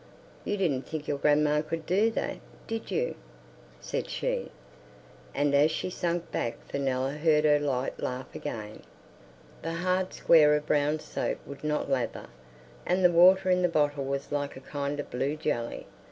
"You didn't think your grandma could do that, did you?" said she. And as she sank back Fenella heard her light laugh again. The hard square of brown soap would not lather, and the water in the bottle was like a kind of blue jelly.